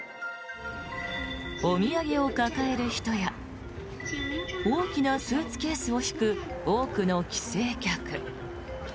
お土産を抱える人や大きなスーツケースを引く多くの帰省客。